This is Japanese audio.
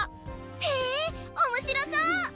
へえ面白そう！